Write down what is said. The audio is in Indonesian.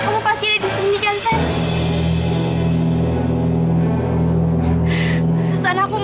kamu pasti ada di sini kan aksan